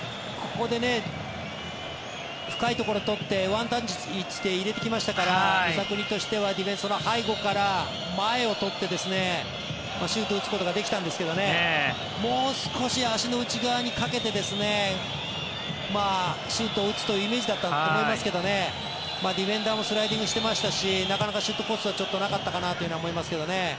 ここで深いところを取ってワンタッチして入れてきましたからムサクニとしてはディフェンスの背後から前を取ってシュートを打つことができたんですけどもう少し足の内側にかけてシュートを打つというイメージだったと思いますけどねディフェンダーもスライディングしていましたしなかなかシュートコースがなかったかなと思いますけどね。